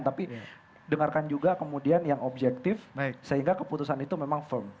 tapi dengarkan juga kemudian yang objektif sehingga keputusan itu memang firm